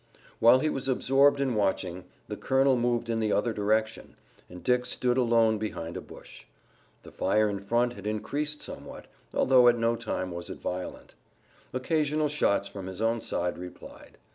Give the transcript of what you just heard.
While he was absorbed in watching, the colonel moved in the other direction, and Dick stood alone behind a bush. The fire in front had increased somewhat, although at no time was it violent. Occasional shots from his own side replied.